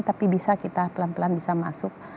tapi bisa kita pelan pelan bisa masuk